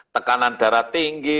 tekanan darah tinggi